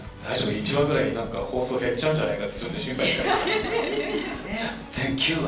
１話ぐらい何か放送減っちゃうんじゃないかってちょっと心配してましたね